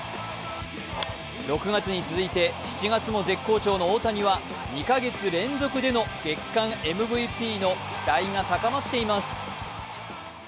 ６月に続いて７月も絶好調の大谷は２か月連続での月間ＭＶＰの期待が高まっています。